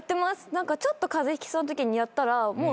何かちょっと風邪ひきそうなときにやったらもう悪化しないです。